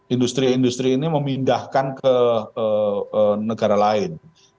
industri industri ini memindahkan ke negara lain